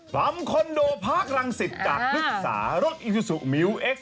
ตามคอนโดภาครังสิทธิ์จากศึกษารถอิซุสุมิวเอ็กซ